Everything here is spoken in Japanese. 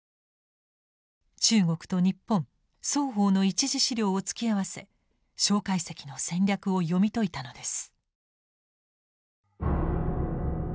中国と日本双方の一次資料を突き合わせ介石の戦略を読み解いたのです。